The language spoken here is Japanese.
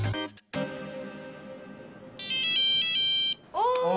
お！